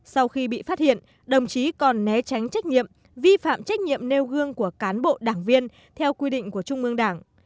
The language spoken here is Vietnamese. sau khi bị phát hiện đồng chí còn né tránh trách nhiệm vi phạm trách nhiệm nêu gương của cán bộ đảng viên theo quy định của trung ương đảng